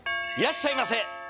いらっしゃいませ。